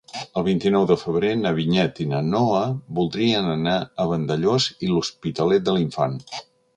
El vint-i-nou de febrer na Vinyet i na Noa voldrien anar a Vandellòs i l'Hospitalet de l'Infant.